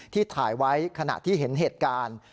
ถ่ายไว้ขณะที่เห็นเหตุการณ์